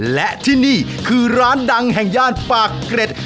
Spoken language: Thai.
และที่นี่คือร้านดังแห่งย่านปากเกร็ด